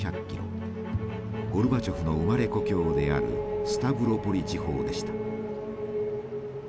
ゴルバチョフの生まれ故郷であるスタブロポリ地方でした。